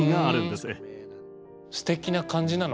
すてきな感じなの？